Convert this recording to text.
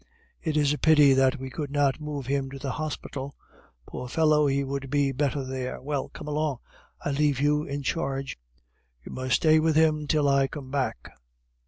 It is a pity that we could not move him to the hospital; poor fellow, he would be better there. Well, come along, I leave you in charge; you must stay with him till I come back."